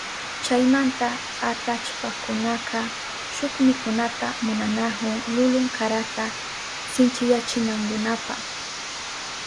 Chaymanta atallpakunaka shuk mikunata munanahun lulun karata sinchiyachinankunapa.